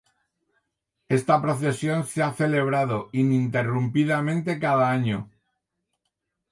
Esta procesión se ha celebrado ininterrumpidamente cada año.